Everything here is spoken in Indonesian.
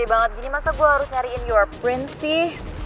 banget gini masa gue harus nyariin your queen sih